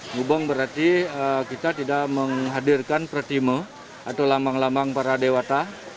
gubeng berarti kita tidak menghadirkan pratime atau lambang lambang para dewata